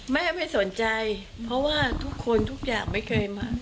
ไม่สนใจเพราะว่าทุกคนทุกอย่างไม่เคยมา